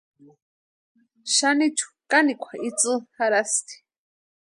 Xanichu kanikwa itsï jarhasti.